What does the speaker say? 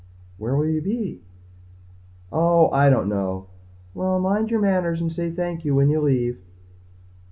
"Where will you be?" "Oh, I don't know." "Well, mind your manners and say thank you when you leave."